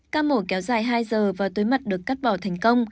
các mổ kéo dài hai giờ và túi mật được cắt bỏ thành công